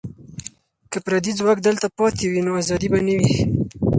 که پردي ځواک دلته پاتې وي، نو ازادي به نه وي.